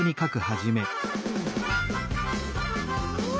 うわ！